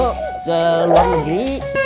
ke luar negeri